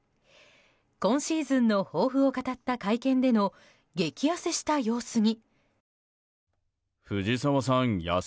今シーズンの抱負を語った会見での激やせした様子に。